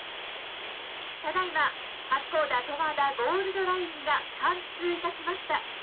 ただいま八甲田・十和田ゴールドラインが貫通いたしました。